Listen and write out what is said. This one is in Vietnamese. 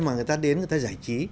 mà người ta đến người ta giải trí